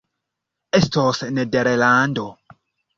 Estos Nederlando!